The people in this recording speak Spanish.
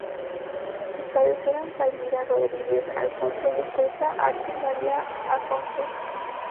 Sus padres eran Palmira Rodrigues Afonso y el poeta Artur Maria Afonso.